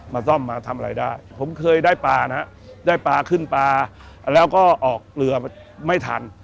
มาซ่อมมาทำอะไรได้ผมเคยได้ปลานะฮะได้ปลาขึ้นปลาแล้วก็ออกเรือไม่ทัน